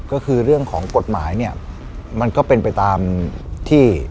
ก็คือเรื่องของกฎหมายเนี่ยมันก็เป็นไปตามที่